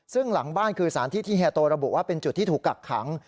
ซึ่งหลังบ้านคือสารที่ที่เฮียโตระบุว่าเป็นจุดที่ถูกกักขัง